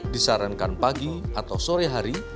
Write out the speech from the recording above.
disarankan pagi atau sore hari